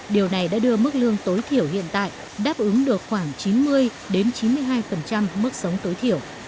điều này đã đưa mức lương tối thiểu hiện tại đáp ứng được khoảng chín mươi chín mươi hai mức sống tối thiểu